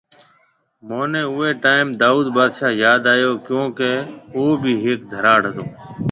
منهي اوئي ٽائيم دائود بادشاه ياد آيو۔ ڪيونڪي او ڀي هيڪ ڌراڙ هتو